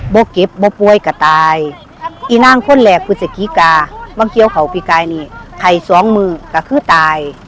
เก็บบ่อป่วยก็ตายอีนางคนแรกคือสกิกาบังเกี้ยวเขาปีกายนี่ไข่สองมือก็คือตาย